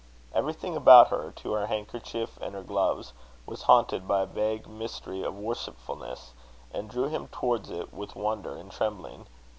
Everything about her, to her handkerchief and her gloves, was haunted by a vague mystery of worshipfulness, and drew him towards it with wonder and trembling.